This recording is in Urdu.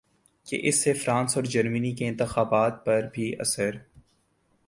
کہ اس سے فرانس ا ور جرمنی کے انتخابات پر بھی اثر